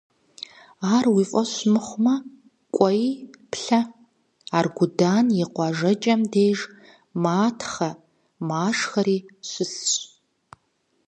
Ар уи фӀэщ мыхъумэ, кӀуэи, плъэ: Аргудан и къуажэкӀэм деж матхъэ-машхэри щысщ.